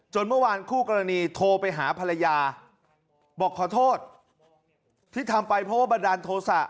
เมื่อวานคู่กรณีโทรไปหาภรรยาบอกขอโทษที่ทำไปเพราะว่าบันดาลโทษะ